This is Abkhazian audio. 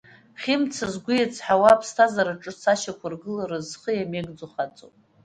Хьымца згәы еицҳауа, аԥсҭазаара ҿыц ашьақәыргыларазы зхы иамеигӡо хаҵоуп.